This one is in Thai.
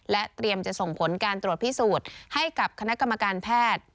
เตรียมจะส่งผลการตรวจพิสูจน์ให้กับคณะกรรมการแพทย์